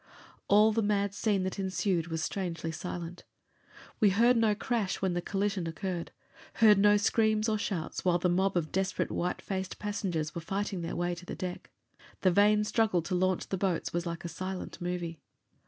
All the mad scene that ensued was strangely silent. We heard no crash when the collision occurred; heard no screams or shouts while the mob of desperate, white faced passengers were fighting their way to the deck. The vain struggle to launch the boats was like a silent movie.